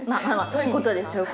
そういうことです。